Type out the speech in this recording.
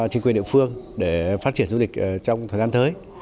chính quyền địa phương để phát triển du lịch trong thời gian tới